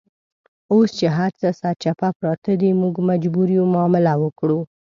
اوس چې هرڅه سرچپه پراته دي، موږ مجبور یو معامله وکړو.